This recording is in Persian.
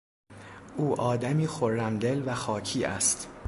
او آدمی خرمدل و خاکی است.